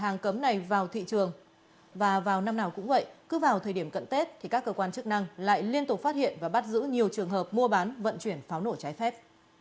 và vào năm nào cũng vậy cứ vào thời điểm cận tết thì các cơ quan chức năng lại liên tục phát hiện và bắt giữ nhiều trường hợp mua bán vận chuyển pháo nổ trái phép